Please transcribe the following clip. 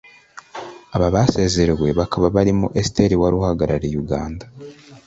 Aba basezerewe bakaba barimo Esther wari uhagarariye Uganda